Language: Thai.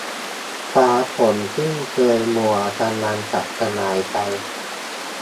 ฟ้าฝนที่เคยมัวกำลังจะสลายไป